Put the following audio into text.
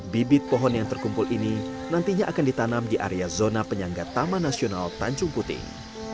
bibit pohon yang terkumpul ini nantinya akan ditanam di area zona penyangga taman nasional tanjung puting